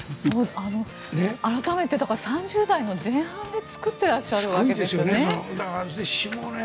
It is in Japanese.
改めて３０代の前半で作っていらっしゃるわけですよ。